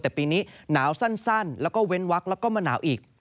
แต่ปีนี้หนาวสั้นแล้วก็เว้นวักแล้วก็มาหนาวอีก